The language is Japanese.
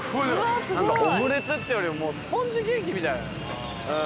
オムレツっていうよりもうスポンジケーキみたい。